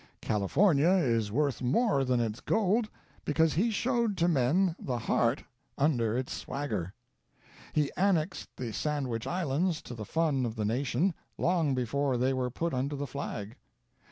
California is worth more than its gold because he showed to men the heart under its swagger. He annexed the Sandwich Islands to the fun of the Nation long before they were put under the flag.